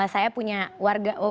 saya punya warga